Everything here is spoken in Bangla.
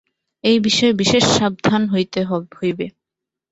এই বিষয়ে বিশেষ সাবধান হইতে হইবে।